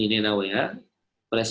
jika hal ini dihapus